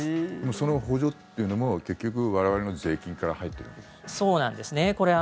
その補助というのも結局、我々の税金からそうなんですね。